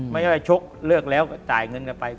ไม่ใช่ว่าชกเลิกแล้วก็จ่ายเงินกันไป